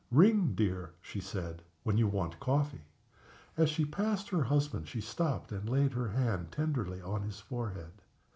"Ring, dear," she said, "when you want coffee." As she passed her husband she stopped and laid her hand tenderly on his forehead.